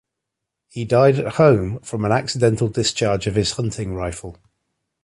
He died at home, from an accidental discharge of his hunting rifle.